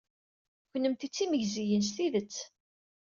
Kennemti d timegziyin s tidet!